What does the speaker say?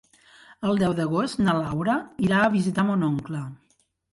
El deu d'agost na Laura irà a visitar mon oncle.